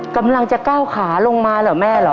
กำลังจะก้าวขาลงมาเหรอแม่เหรอ